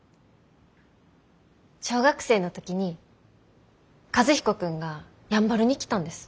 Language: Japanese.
小学生の時に和彦君がやんばるに来たんです。